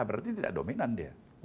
berarti tidak dominan dia